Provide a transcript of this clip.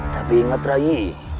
tapi ingat rai